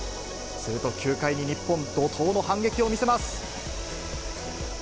すると９回に日本、怒とうの反撃を見せます。